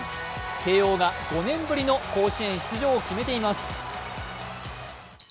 慶応が５年ぶりの甲子園出場を決めています。